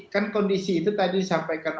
kan kondisi itu tadi disampaikan